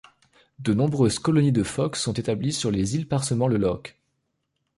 De nombreuses colonies de phoques sont établies sur les îles parsemant le loch.